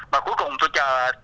và cuối cùng tôi chờ